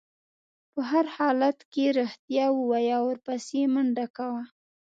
په هر حالت کې رښتیا ووایه او ورپسې منډه کوه.